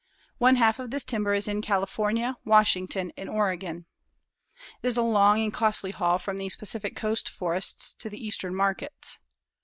One half of this timber is in California, Washington and Oregon. It is a long and costly haul from these Pacific Coast forests to the eastern markets.